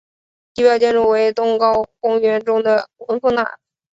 地标建筑为东皋公园中的文峰塔。